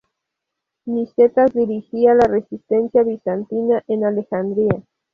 Nicetas dirigía la resistencia bizantina en Alejandría.